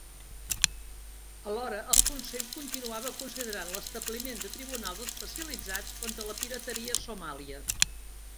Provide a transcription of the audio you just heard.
Alhora, el Consell continuava considerant l'establiment de tribunals especialitzats contra la pirateria a Somàlia.